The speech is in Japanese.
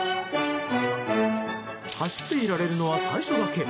走っていられるのは最初だけ。